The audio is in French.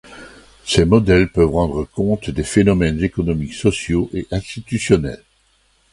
Ces modèles peuvent rendre compte des phénomènes économiques, sociaux, et institutionnels.